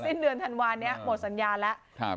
สิ้นเดือนธันวาคมเนี้ยหมดสัญญาแล้วครับ